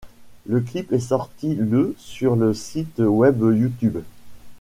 Le clip est sorti le sur le site web YouTube.